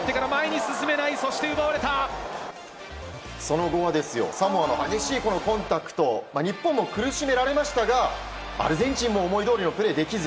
その後はサモアの激しいコンタクト日本も苦しめられましたがアルゼンチンも思いどおりのプレーはできず。